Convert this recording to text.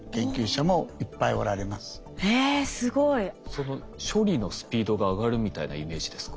その処理のスピードが上がるみたいなイメージですか？